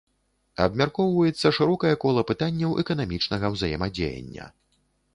Абмяркоўваецца шырокае кола пытанняў эканамічнага ўзаемадзеяння.